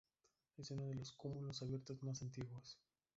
Es uno de los cúmulos abiertos más antiguos.